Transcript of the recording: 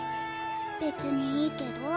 別にいいけど。